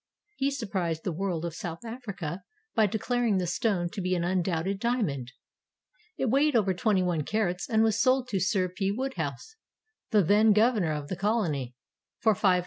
He surprised the world of South Africa by declaring the stone to be an undoubted dia mond. It weighed over 21 carats and was sold to Sir P. Wodehouse, the then Governor of the Colony, for £500.